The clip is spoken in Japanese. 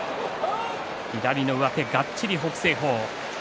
左の上手がっちりの北青鵬です。